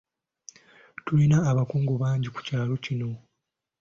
Tulina abakungu bangi ku kyalo kino.